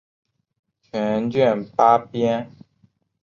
全卷八编。